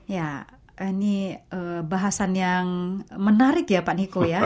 ya ini bahasan yang menarik ya pak niko ya